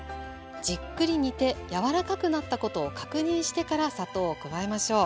じっくり煮て柔らかくなったことを確認してから砂糖を加えましょう。